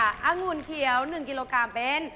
อังุ่นเขียว๑กิโลกรัมเป็น